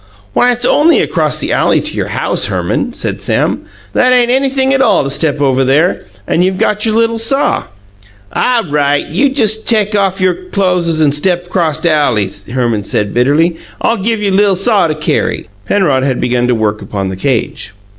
"Why, it's only across the alley to your house, Herman!" said Sam. "That ain't anything at all to step over there, and you've got your little saw." "Aw right! You jes' take off you' closes an' step 'cross the alley," said Herman bitterly. "I give you li'l saw to carry!" Penrod had begun to work upon the cage.